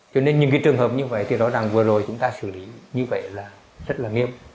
cho nên những trường hợp như vậy thì đó là vừa rồi chúng ta xử lý như vậy là rất nghiêm